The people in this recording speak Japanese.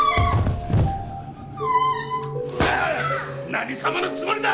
何様のつもりだ！